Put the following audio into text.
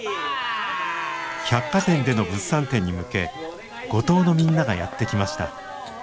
百貨店での物産展に向け五島のみんながやって来ました。